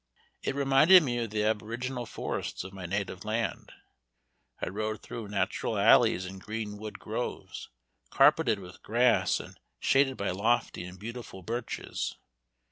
It reminded me of the aboriginal forests of my native land. I rode through natural alleys and green wood groves, carpeted with grass and shaded by lofty and beautiful birches.